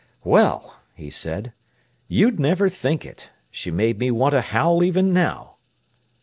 "Well," he said, "you'd never think it! She made me want to howl even now."